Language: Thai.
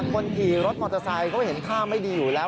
คนขี่รถมอเตอร์ไซค์เขาเห็นท่าไม่ดีอยู่แล้ว